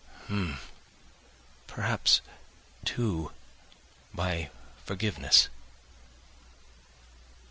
h'm! ... perhaps, too, by forgiveness....